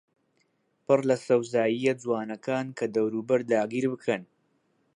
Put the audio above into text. پڕ لە سەوزاییە جوانەکان کە دەوروبەر داگیربکەن